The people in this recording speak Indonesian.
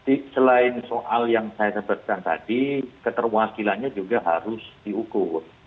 ya selain soal yang saya sebutkan tadi keterwakilannya juga harus diukur